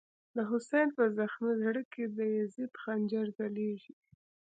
دحسین” په زخمی زړه کی، دیزید خنجر ځلیږی”